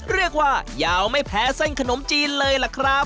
เรียกว่ายาวไม่แพ้ท่านขนมจีนเลยค่ะ